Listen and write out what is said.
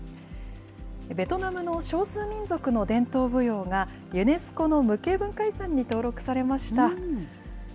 ベトナムの少数民族の伝統舞踊が、ユネスコの無形文化遺産に登録されました。